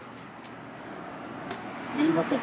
すみません。